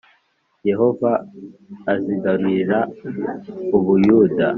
Yehova azigarurira u Buyuda